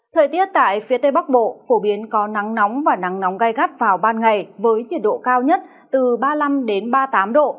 thời tiết tại phía tây bắc bộ phổ biến có nắng nóng và nắng nóng gai gắt vào ban ngày với nhiệt độ cao nhất từ ba mươi năm ba mươi tám độ